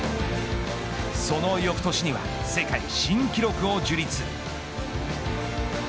その翌年には世界新記録を樹立。